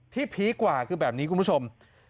พีคกว่าคือแบบนี้คุณผู้ชม